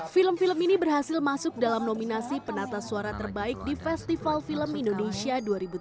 film film ini berhasil masuk dalam nominasi penata suara terbaik di festival film indonesia dua ribu tujuh belas